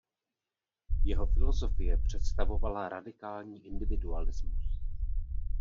Jeho filozofie představovala radikální individualismus.